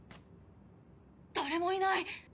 誰もいない。